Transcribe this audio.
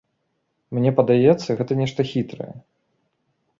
Мне падаецца, гэта нешта хітрае.